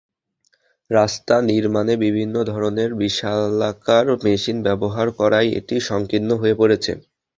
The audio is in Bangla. রাস্তা নির্মাণে বিভিন্ন ধরনের বিশালাকার মেশিন ব্যবহার করায় এটি সংকীর্ণ হয়ে পড়েছে।